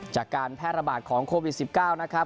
จากการแพร่ระบาดของโควิด๑๙นะครับ